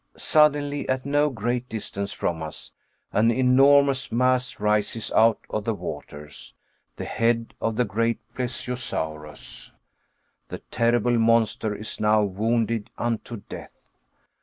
Suddenly, at no great distance from us, an enormous mass rises out of the waters the head of the great Plesiosaurus. The terrible monster is now wounded unto death.